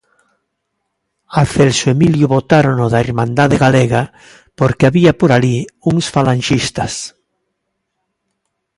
A Celso Emilio botárono da Irmandade Galega porque había por alí uns falanxistas.